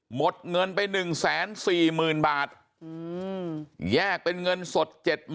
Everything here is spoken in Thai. หมดเงินไป๑๔๐๐๐บาทแยกเป็นเงินสด๗๐๐๐